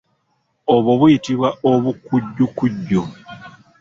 Obw'o buyitibwa obukukujju.